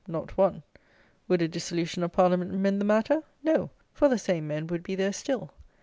Not one. Would a dissolution of Parliament mend the matter? No; for the same men would be there still.